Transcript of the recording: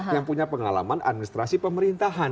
yang punya pengalaman administrasi pemerintahan